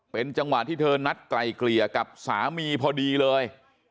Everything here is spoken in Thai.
เป็นจังหวะที่เธอนัดไกลเกลี่ยกับสามีพอดีเลย